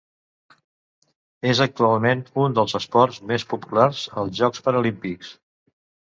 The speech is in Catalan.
És actualment un dels esports més populars als Jocs Paralímpics.